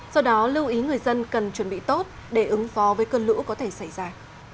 do đó lưu ý người dân cần chuẩn bị tốt để ứng phó với cơn lũ có thể xảy ra